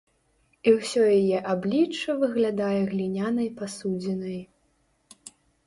І ўсё яе аблічча выглядае глінянай пасудзінай.